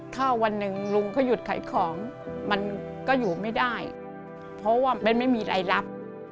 ถ้าวันหนึ่งลุงเขาหยุดขายของมันก็อยู่ไม่ได้เพราะว่าเบ้นไม่มีรายรับ